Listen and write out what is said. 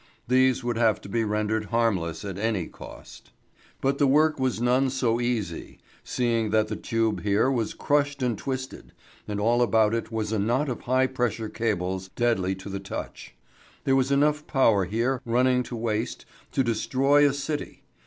These would have to be rendered harmless at any cost. But the work was none so easy, seeing that the tube here was crushed and twisted, and all about it was a knot of high pressure cables deadly to the touch. There was enough power here running to waste to destroy a city.